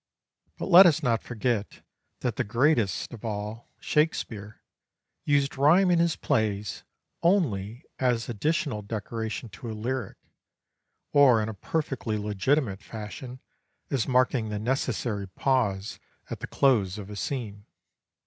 But let us not forget that the greatest of all, Shakespeare, used rhyme in his plays, only as additional decoration to a lyric, or in a perfectly legitimate fashion as marking the necessary pause at the close of a scene.